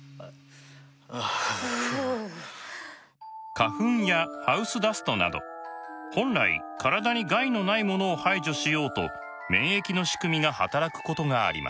花粉やハウスダストなど本来体に害のないものを排除しようと免疫の仕組みが働くことがあります。